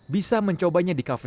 bisa mencobanya di kafe